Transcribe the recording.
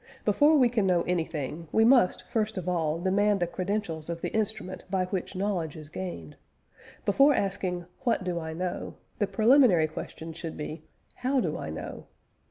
Before we can know anything, we must first of all demand the credentials of the instrument by which knowledge is gained. Before asking, What do I know? the preliminary question should be, How do I know?